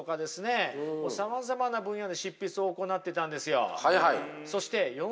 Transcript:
さまざまな分野で執筆を行ってたんですよ。